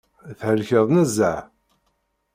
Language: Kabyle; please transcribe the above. Thelkeḍ nezzeh.